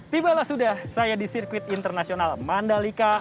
tibalah sudah saya di sirkuit internasional mandalika